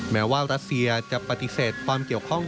แม้ว่ารัสเซียจะปฏิเสธความเกี่ยวข้อง